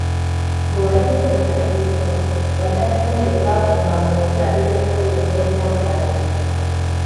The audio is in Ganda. Bwe wali ng‘okyali muto, bazadde bo be baafubanga okukulabira engoye z'oyambala.